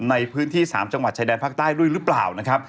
ในพื้นที่๓จังหวัดชายแดนภาคใต้ด้วยหรือเปล่านะครับ